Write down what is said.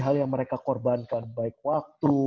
hal yang mereka korbankan baik waktu